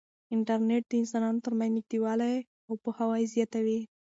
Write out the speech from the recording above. انټرنیټ د انسانانو ترمنځ نږدېوالی او پوهاوی زیاتوي.